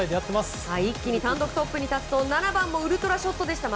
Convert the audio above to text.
単独トップに立つと７番もウルトラショットでした。